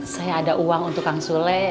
saya ada uang untuk kang soleh